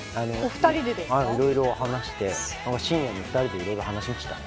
いろいろ話して深夜で２人で夜話しましたね。